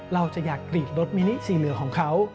เราจะอยากกรีดรถมินิสีเหลืองของเขา